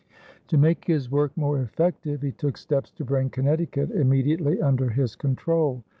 To make his work more effective he took steps to bring Connecticut immediately under his control.